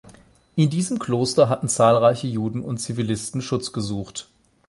In diesem Kloster hatten zahlreiche Juden und Zivilisten Schutz gesucht.